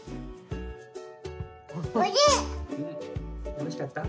・おいしかった？